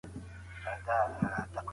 د کورنۍ له غړو سره وخت تیر کړئ.